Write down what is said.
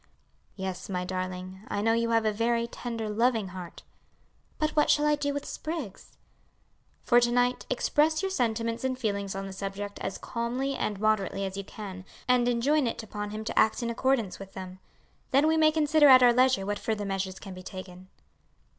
"Yes, my darling, I know you have a very tender, loving heart." "But what shall I do with Spriggs?" "For to night, express your sentiments and feelings on the subject as calmly and moderately as you can, and enjoin it upon him to act in accordance with them. Then we may consider at our leisure what further measures can be taken."